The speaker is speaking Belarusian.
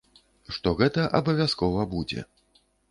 Што гэта абавязкова будзе.